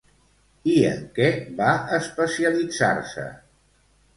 I en què va especialitzar-se?